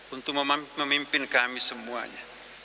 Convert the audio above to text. untuk memimpin kami semuanya